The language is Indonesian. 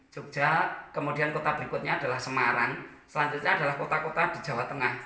jogja kemudian kota berikutnya adalah semarang selanjutnya adalah kota kota di jawa tengah